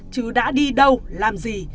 trứ đã đi đâu làm gì